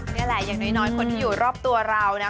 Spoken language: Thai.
นี่แหละอย่างน้อยคนที่อยู่รอบตัวเรานะ